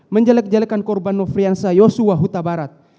menjelek jelekkan korban nofrianza yosuahutabarat